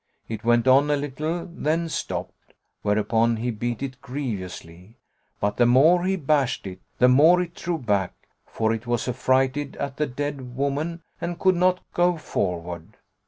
It went on a little, then stopped; whereupon he beat it grievously; but the more he bashed it, the more it drew back; for it was affrighted at the dead woman and could not go forward.